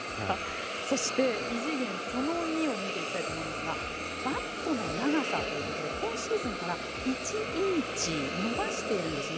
そして、異次元その２を見ていきたいと思いますがバットの長さということで今シーズンから１インチ伸ばしているんですね。